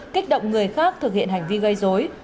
kích động người khác thực hiện hành vi gây dối